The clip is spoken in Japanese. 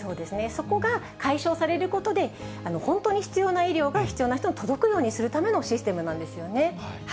そこが解消されることで、本当に必要な医療が、必要な人に届くようにするためのシステムなんですよね。